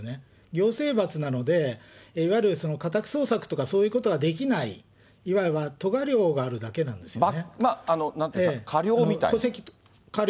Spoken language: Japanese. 行政罰なので、いわゆる家宅捜索とかそういうことはできない、以外はとがりょうがあるだけなんですね。